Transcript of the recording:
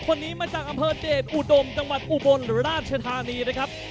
คนนี้มาจากอำเภอเจดอุดมจังหวัดอุบลหรือราชธานีนะครับ